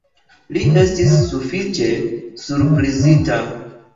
Li estis sufiĉe surprizita.